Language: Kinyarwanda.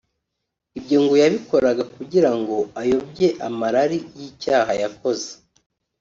Ibyo ngo yabikoraga kugirango ayobye amarari y’icyaha yakoze